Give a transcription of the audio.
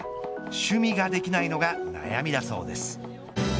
趣味ができないのが悩みだそうです。